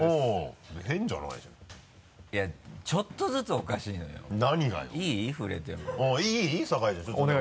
いやちょっとずつおかしいのよ。